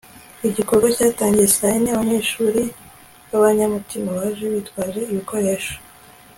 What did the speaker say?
igikorwa cyatangiye saa yine, abanyeshuri b'abanyamutima baje bitwaje ibikoresho